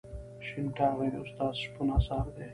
شین ټاغی د استاد شپون اثر دی.